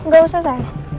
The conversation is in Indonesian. gak usah sa